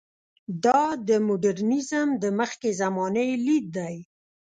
دا د مډرنیزم د مخکې زمانې لید دی.